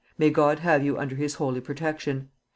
"May God have you under his holy protection.